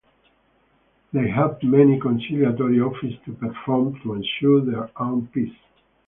They have many conciliatory offices to perform to ensure their own peace.